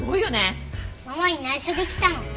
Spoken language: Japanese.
ママに内緒で来たの。